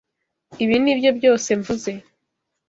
Ibi nibyo byose mvuze.